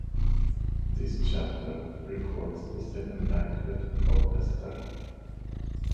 This chapter records the second banquet of Esther.